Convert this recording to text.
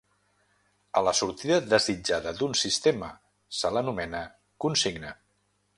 A la sortida desitjada d'un sistema se l'anomena consigna.